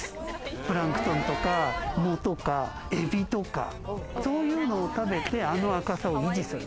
プランクトンとか藻とかエビとかそういうのを食べて、あの赤さを維持する。